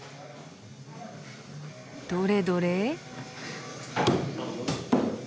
どれどれ？